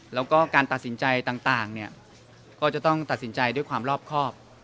แล้วก็การตัดสินใจต่างก็จะต้องตัดสินใจด้วยความรอบครอบ